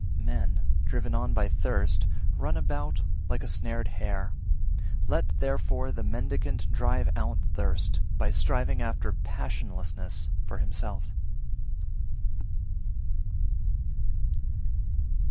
343. Men, driven on by thirst, run about like a snared hare; let therefore the mendicant drive out thirst, by striving after passionlessness for himself.